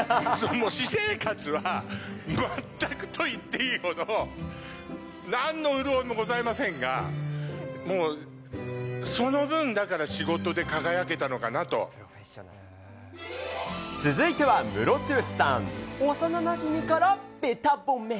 もう私生活は、全くと言っていいほど、なんの潤いもございませんが、その分、だから仕事で輝けたのか続いては、ムロツヨシさん。幼なじみからべた褒め。